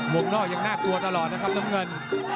วงนอกยังน่ากลัวตลอดนะครับน้ำเงิน